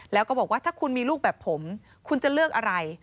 แล้วก็บอกว่าถ้าคุณมีลูกแบบผมคุณจะเลือกอะไร